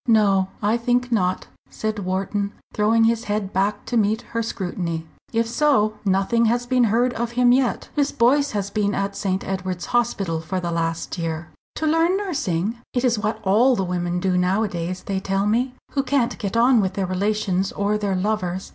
"No, I think not," said Wharton, throwing his head back to meet her scrutiny. "If so, nothing has been heard of him yet. Miss Boyce has been at St. Edward's Hospital for the last year." "To learn nursing? It is what all the women do nowadays, they tell me, who can't get on with their relations or their lovers.